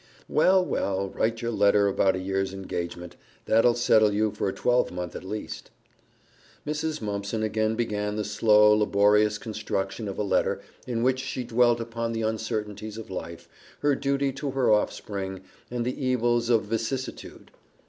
"Well, well, write your letter about a year's engagement. That'll settle you for a twelvemonth, at least." Mrs. Mumpson again began the slow, laborious construction of a letter in which she dwelt upon the uncertainties of life, her "duty to her offspring," and the evils of "vicissitude."